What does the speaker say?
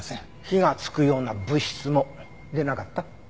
火がつくような物質も出なかった？